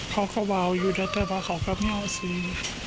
เขากะวาวอยู่แต่เขากะวาวไม่ออกสิ